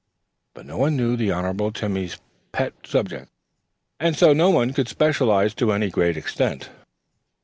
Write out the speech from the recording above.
But no one knew the Honorable Timothy's pet subjects, and so no one could specialize to any great extent.